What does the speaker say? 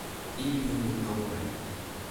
Iepenje Myn dokuminten.